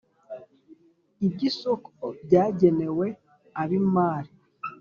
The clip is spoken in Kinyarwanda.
Iby'isoko byagenewe ab'imari